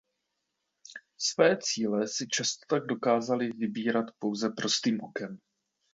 Své cíle si často tak dokázali vybírat pouze prostým okem.